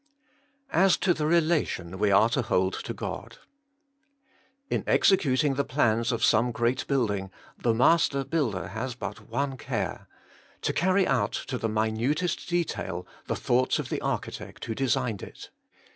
As to the relation zve are to hold to God. — In executing the plans of some great building the master builder has but one care — to carry out to the minutest detail the thoughts of the architect who designed it.